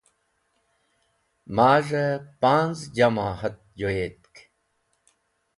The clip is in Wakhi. Maz̃hey Panz̃ jamoat joyetk